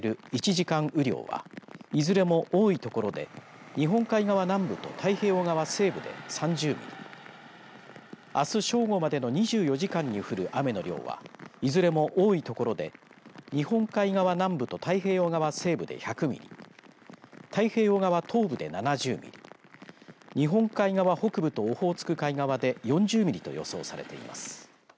１時間雨量はいずれも多い所で日本海側南部と太平洋側西部で３０ミリあす正午までの２４時間に降る雨の量はいずれも多い所で日本海側南部と太平洋側西部で１００ミリ太平洋側東部で７０ミリ日本海側北部とオホーツク海側で４０ミリと予想されています。